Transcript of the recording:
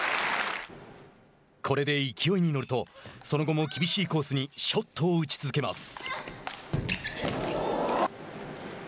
これで勢いに乗るとその後も、厳しいコースにショットを打ち続けます。